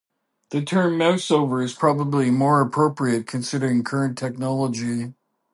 The term mouseover is probably more appropriate considering current technology.